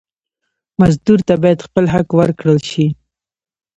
مزدور ته باید خپل حق ورکړل شي.